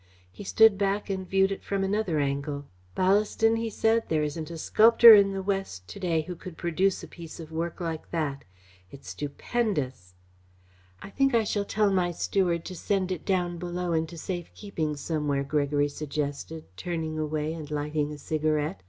He stood back and viewed it from another angle. "Ballaston," he said, "there isn't a sculptor in the West to day who could produce a piece of work like that. It's stupendous!" "I think I shall tell my steward to send it down below into safe keeping, somewhere," Gregory suggested, turning away and lighting a cigarette.